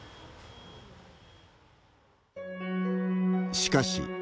しかし、